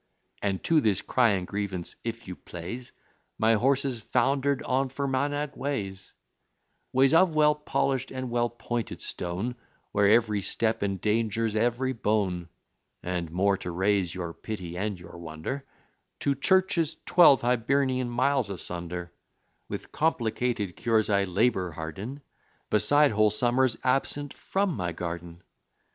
And to this crying grievance, if you please, My horses founder'd on Fermanagh ways; Ways of well polish'd and well pointed stone, Where every step endangers every bone; And, more to raise your pity and your wonder, Two churches twelve Hibernian miles asunder: With complicated cures, I labour hard in, Beside whole summers absent from my garden!